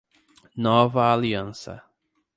Nova Aliança